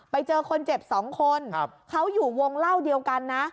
ไปเจอคนเจ็บ๒คนเขาอยู่วงเล่าเดียวกันนะ